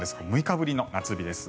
６日ぶりの夏日です。